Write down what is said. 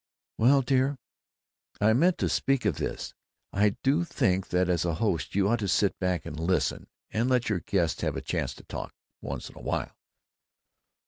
"Well, dear I meant to speak of this I do think that as host you ought to sit back and listen, and let your guests have a chance to talk once in a while!"